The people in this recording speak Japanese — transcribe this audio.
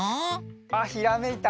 あっひらめいた。